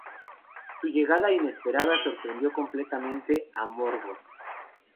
Su llegada inesperada sorprendió completamente a Morgoth.